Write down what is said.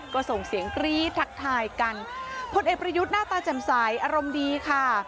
ก็ส่งเสียงกรี๊ดทักทายกันพลเอกประยุทธ์หน้าตาแจ่มใสอารมณ์ดีค่ะ